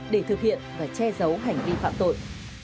để thực hiện và che giấu hành vi phạm tội